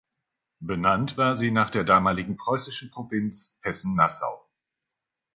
Benannt war sie nach der damaligen preußischen Provinz Hessen-Nassau.